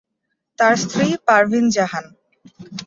তার স্ত্রী পারভীন জাহান।